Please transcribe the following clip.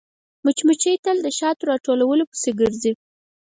مچمچۍ تل د شاتو راټولولو پسې ګرځي